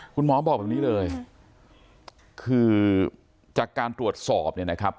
คุณหมอบอกแบบนี้เลยคือจากการตรวจสอบเนี่ยนะครับ